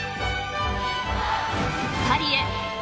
［パリへ！